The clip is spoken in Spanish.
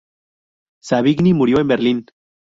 Savigny murió en Berlín.